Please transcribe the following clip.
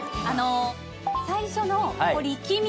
最初の力み。